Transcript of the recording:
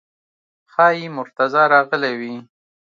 ښایي مرتضی راغلی وي.